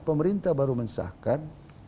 pemerintah baru mensahkan